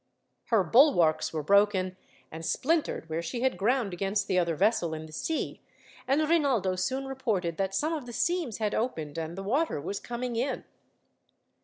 Her bulwarks were broken and splintered where she had ground against the other vessel in the sea, and Rinaldo soon reported that some of the seams had opened, and the water was coming in.